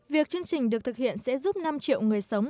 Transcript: việc chương trình được thực hiện sẽ giúp năm triệu người sống